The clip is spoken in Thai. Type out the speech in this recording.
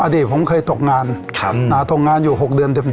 อดีตผมเคยตกงานตกงานอยู่๖เดือนเต็ม